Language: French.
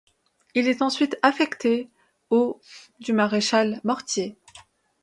Il est ensuite affecté au du maréchal Mortier.